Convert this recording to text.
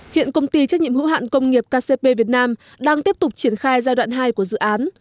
hiện công ty trách nhiệm hữu hạn công nghiệp kcp việt nam đang tiếp tục triển khai giai đoạn hai của dự án